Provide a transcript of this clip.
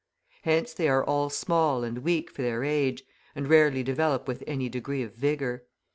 Hence they are all small and weak for their age, and rarely develop with any degree of vigour.